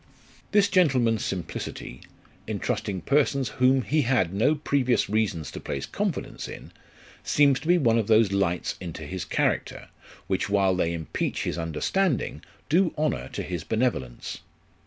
This gentleman's simplicity, in trusting persons whom he had no pre vious reasons to place confidence in, seems to be one of those lights into his character, which while they impeach his understanding, do honour to his benevolence.